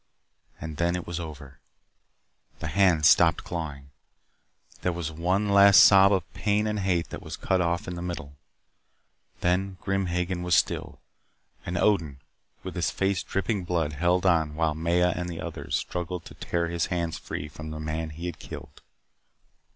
And then it was over. The hands stopped clawing. There was one last sob of pain and hate that was cut off in the middle. Then Grim Hagen was still. And Odin, with his face dripping blood, held on while Maya and the others struggled to tear his hands free from the man he had killed.